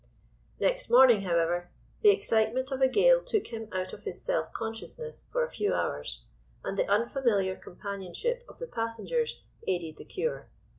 Next morning, however, the excitement of a gale took him out of his self consciousness for a few hours, and the unfamiliar companionship of the passengers aided the cure.